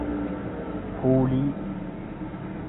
puulii